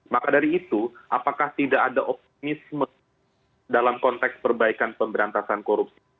maka dari itu apakah tidak ada optimisme dalam konteks perbaikan pemberantasan korupsi